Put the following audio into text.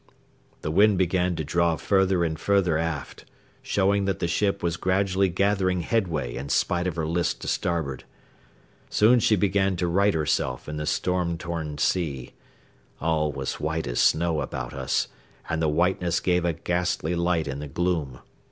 The wind began to draw further and further aft, showing that the ship was gradually gathering headway in spite of her list to starboard. Soon she began to right herself in the storm torn sea. All was white as snow about us, and the whiteness gave a ghastly light in the gloom.